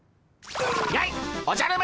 やいおじゃる丸！